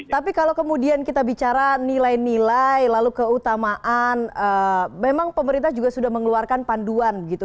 tapi kalau kemudian kita bicara nilai nilai lalu keutamaan memang pemerintah juga sudah mengeluarkan panduan gitu